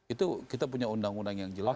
itu kita punya undang undang yang jelas